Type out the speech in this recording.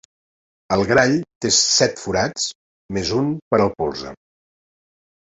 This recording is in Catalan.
El grall té set forats més un per al polze.